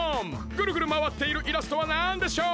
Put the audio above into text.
ぐるぐるまわっているイラストはなんでしょう？